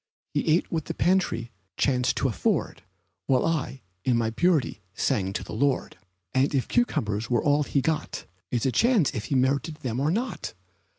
He ate what the pantry chanced to afford, While I, in my purity, sang to the Lord; And if cucumbers were all he got It's a chance if he merited them or not.